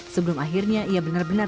sebelum akhirnya ia benar benar